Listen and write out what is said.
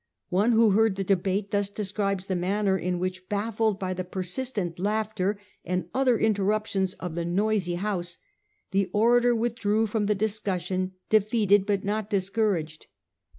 One who heard the debate thus describes the manner in which, baffled by the persistent laughter and other interruptions of the noisy House, the orator with drew from the discussion, defeated but not dis couraged.